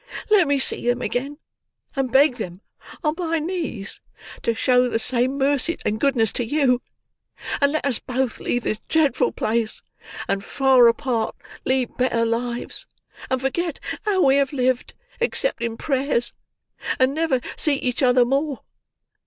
Let me see them again, and beg them, on my knees, to show the same mercy and goodness to you; and let us both leave this dreadful place, and far apart lead better lives, and forget how we have lived, except in prayers, and never see each other more.